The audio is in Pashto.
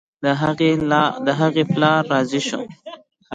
د هغې پلار راضي شو.